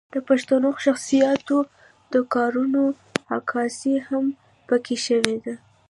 د پښتنو شخصياتو د کارنامو عکاسي هم پکښې شوې ده